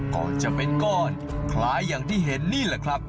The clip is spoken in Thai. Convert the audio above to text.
ก่อนจะเป็นก้อนคล้ายอย่างที่เห็นนี่แหละครับ